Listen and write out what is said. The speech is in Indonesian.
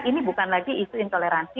ini bukan lagi isu intoleransi